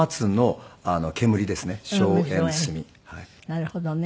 なるほどね。